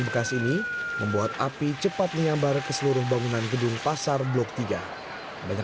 bekas ini membuat api cepat menyambar ke seluruh bangunan gedung pasar blok tiga banyak